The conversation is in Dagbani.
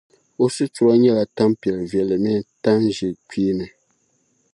O situra nyɛla tampiɛl’ viɛlli mini tan’ ʒiɛkpeein.